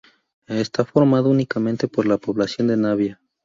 Está formado únicamente por la población de Navia.